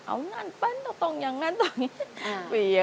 เอางั้นตรงนั้นตรงนี้